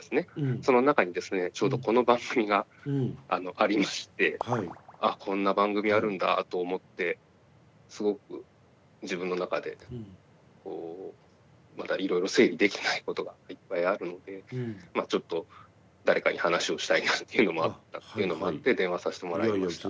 その中にですねちょうどこの番組がありましてあこんな番組あるんだと思ってすごく自分の中でこうまだいろいろ整理できてないことがいっぱいあるのでちょっと誰かに話をしたいなっていうのもあって電話させてもらいました。